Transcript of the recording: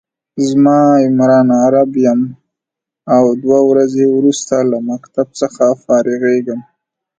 زه عمران عرب يم او دوه ورځي وروسته له مکتب څخه فارغيږم